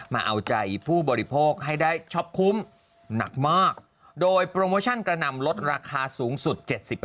มาเอาใจผู้บริโภคให้ได้ช็อปคุ้มหนักมากโดยโปรโมชั่นกระนำลดราคาสูงสุด๗๐